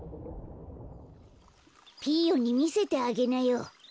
ピーヨンにみせてあげなよ。